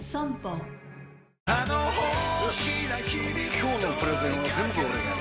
今日のプレゼンは全部俺がやる！